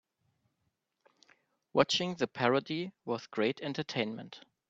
Watching the parody was great entertainment.